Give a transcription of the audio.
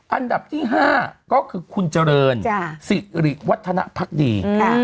อันดับที่๕ก็คือคุณเจริญสิริวัฒนภักดี